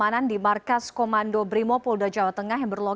dan dilaporkan satu anggota brimob atas nama brimob